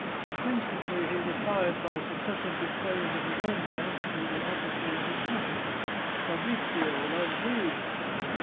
Instantly he replied by successive displays of his own lamp through the aperture in his shutter: " Fabrisio loves thee."